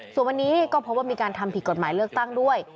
ส่วนวันนี้ก็พบว่ามีการทำผิดกฎหมายเลือกตั้งด้วย